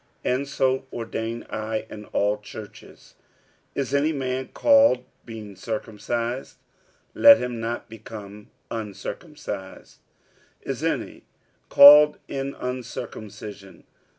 And so ordain I in all churches. 46:007:018 Is any man called being circumcised? let him not become uncircumcised. Is any called in uncircumcision?